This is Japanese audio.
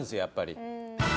やっぱり。